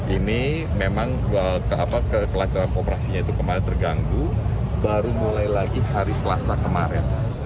ini memang kelancaran operasinya itu kemarin terganggu baru mulai lagi hari selasa kemarin